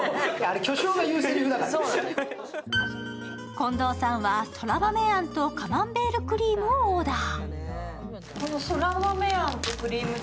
近藤さんはそら豆あんとカマンベールクリームをオーダー。